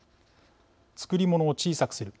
作り物を小さくする。